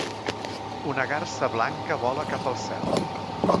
Una garsa blanca vola cap al cel.